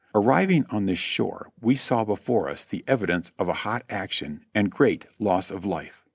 Arriving on this shore we saw before us the evidence of a hot action and great loss of life.